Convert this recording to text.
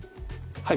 はい。